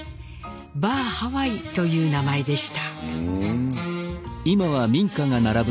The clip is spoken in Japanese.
「バー・ハワイ」という名前でした。